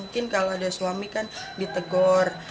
mungkin kalau ada suami kan ditegur